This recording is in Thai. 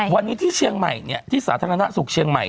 วันนี้ที่เชียงใหม่ที่สาธารณสุขเชียงใหม่